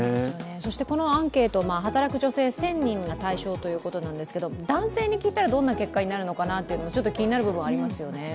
そしてこのアンケート、働く女性１０００人が対象ですが男性に聞いたらどんな結果になるのかなとちょっと気になる部分もありますよね。